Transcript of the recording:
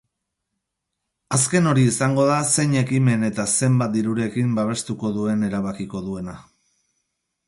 Azken hori izango da zein ekimen eta zenbat dirurekin babestuko duen erabakiko duena.